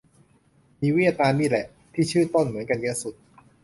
มีเวียดนามนี่แหละ ที่ชื่อต้นเหมือนกันเยอะสุด